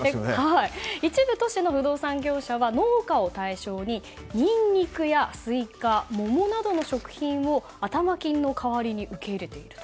一部都市の不動産業者は農家を対象にニンニクやスイカ桃などの食品を頭金の代わりに受け入れていると。